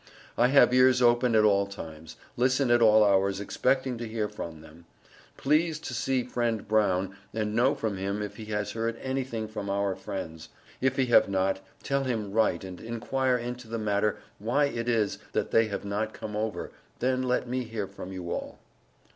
I have ears open at all times, listen at all hours expecting to hear from them Please to see friend Brown and know from him if he has heard anything from our friends, if he have not. tell him write and inquiare into the matter why it is that they have not come over, then let me hear from you all.